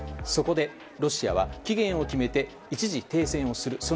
そこでロシアは期限を決めて一時停戦をする。